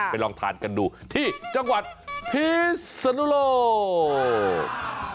ลองทานกันดูที่จังหวัดพิศนุโลก